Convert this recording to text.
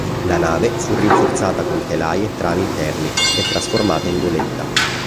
La nave fu rinforzata con telai e travi interne e trasformata in goletta.